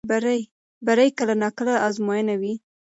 بری کله ناکله ازموینه وي.